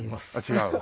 違う。